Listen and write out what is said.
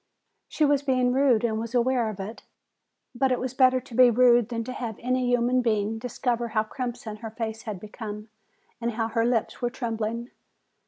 She was being rude and was aware of it. But it was better to be rude than to have any human being discover how crimson her face had become and how her lips were trembling.